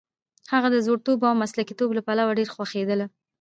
هغه د زړورتوب او مسلکیتوب له پلوه ډېره خوښېدله.